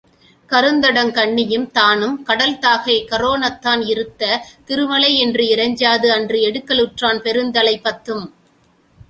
கருந்தடங் கண்ணியும் தானும் கடல் தாகைக் காரோணத்தான் இருத்த திருமலை என்று இறைஞ்சாது அன்று எடுக்கலுற்றான் பெருந்தலை பத்தும்.